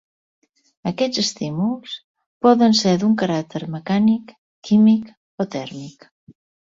Aquests estímuls poden ser d'un caràcter mecànic, químic, o tèrmic.